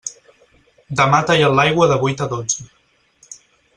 Demà tallen l'aigua de vuit a dotze.